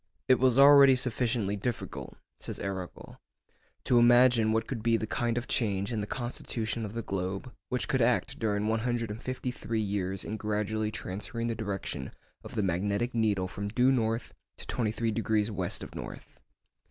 'It was already sufficiently difficult,' says Arago, 'to imagine what could be the kind of change in the constitution of the globe which could act during one hundred and fifty three years in gradually transferring the direction of the magnetic needle from due north to 23° west of north.